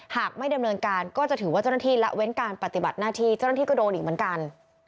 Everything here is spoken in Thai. หากไม่ดำเนินการก็จะถือว่าเจ้าหน้าที่ละเว้นการปฏิบัติหน้าที่เจ้าหน้าที่ก็โดนอีกเหมือนกัน